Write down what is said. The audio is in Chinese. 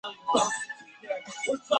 平时可以变成滑翔机。